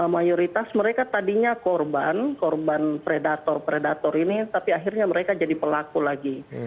mayoritas mereka tadinya korban korban predator predator ini tapi akhirnya mereka jadi pelaku lagi